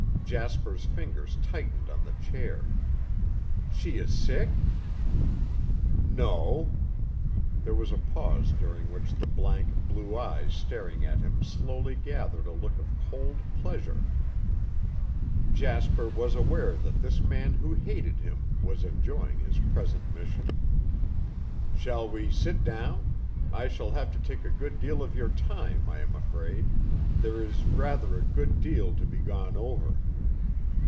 Jasper's fingers tightened on the chair. "She is sick?" "No." There was a pause during which the blank, blue eyes staring at him slowly gathered a look of cold pleasure. Jasper was aware that this man who hated him was enjoying his present mission. "Shall we sit down? I shall have to take a good deal of your time, I am afraid. There is rather a good deal to be gone over."